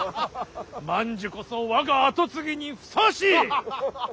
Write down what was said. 万寿こそ我が跡継ぎにふさわしい！